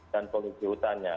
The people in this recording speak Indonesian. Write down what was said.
dan penguji hutannya